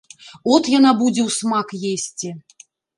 От яна будзе ўсмак есці!